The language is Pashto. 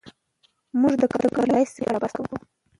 موږ له کلونو راهیسې په دې اړه بحث کوو.